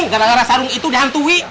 gara gara sarung itu dihantui